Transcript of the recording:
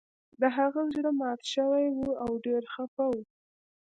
د هغه زړه مات شوی و او ډیر خفه و